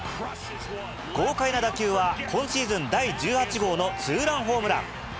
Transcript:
豪快な打球は、今シーズン第１８号のツーランホームラン。